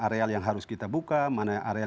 areal yang harus kita buka mana area